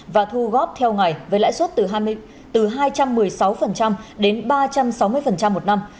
và thu góp theo ngày với lãi suất từ hai trăm một mươi sáu đến ba trăm sáu mươi một năm